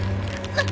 あっ！